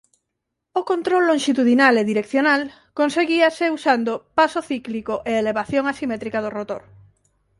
O control lonxitudinal e direccional conseguíase usando paso cíclico e elevación asimétrica do rotor.